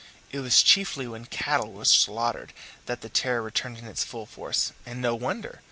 It was chiefly when cattle were slaughtered that the terror returned in its full force. And no wonder!